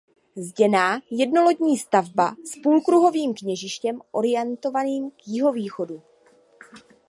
Zděná jednolodní stavba s půlkruhovým kněžištěm orientovaným k jihovýchodu.